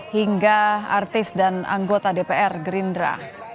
hingga artis dan anggota dpr gerindra